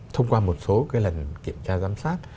thông qua một số lần kiểm tra giám sát